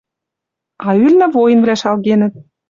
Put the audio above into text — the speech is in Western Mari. А ӱлнӹ воинвлӓ шалгенӹт